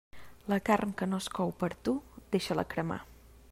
La carn que no es cou per a tu, deixa-la cremar.